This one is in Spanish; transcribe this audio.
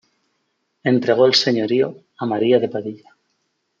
Entregó el señorío a María de Padilla.